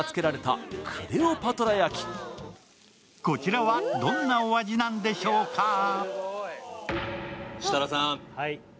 こちらはどんなお味なんでしょうか？